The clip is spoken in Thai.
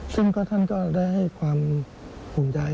ซึ่งท่านก็ได้ให้ความภูมิใจ